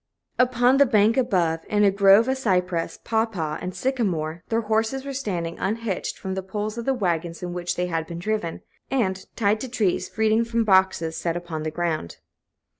Upon the bank above, in a grove of cypress, pawpaw, and sycamore, their horses were standing, unhitched from the poles of the wagons in which they had been driven, and, tied to trees, feeding from boxes set upon the ground.